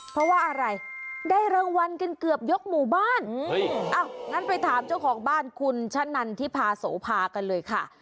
เพราะว่าอะไรได้รางวัลกันเกือบยกหมู่บ้านงั้นไปถามเจ้าของบ้านคุณชะนันทิพาโสภากันเลยค่ะ